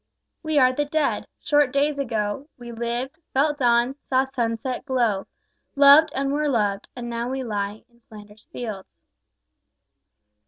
We are the Dead. Short days ago We lived, felt dawn, saw sunset glow, Loved, and were loved, and now we lie In Flanders fields.